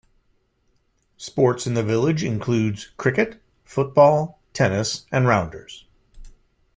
Sports in the village includes cricket, football, tennis, and rounders.